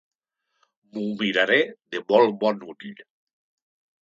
M'ho miraré de molt bon ull.